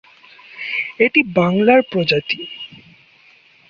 এটি বাংলার প্রজাতি।